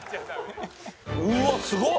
うわっすごっ！